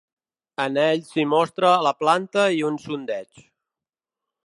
En ell s'hi mostra la planta i un sondeig.